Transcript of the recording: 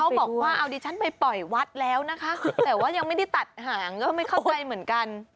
บอกว่าเอาดิฉันไปปล่อยวัดแล้วนะคะแต่ว่ายังไม่ได้ตัดหางก็ไม่เข้าใจเหมือนกัน